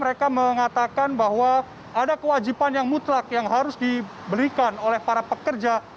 mereka mengatakan bahwa ada kewajiban yang mutlak yang harus dibelikan oleh para pekerja